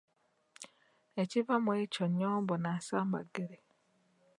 Ekiva mu ekyo nnyombo na nsambaggere.